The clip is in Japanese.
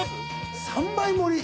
３倍盛り？